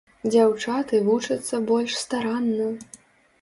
Дзяўчаты вучацца больш старанна.